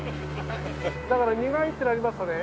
だから苦いってなりますとね